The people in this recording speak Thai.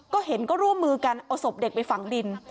ก็เห็นก็ร่วมมือกันเอาศพเด็กไปฝังดิน